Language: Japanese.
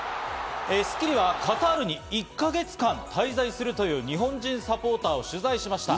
『スッキリ』はカタールに１か月間滞在するという日本人サポーターを取材しました。